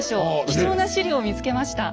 貴重な史料を見つけました。